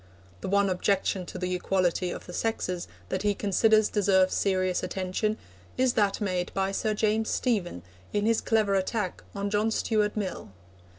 The one objection to the equality of the sexes that he considers deserves serious attention is that made by Sir James Stephen in his clever attack on John Stuart Mill.